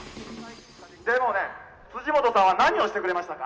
でもね、辻元さんは何をしてくれましたか？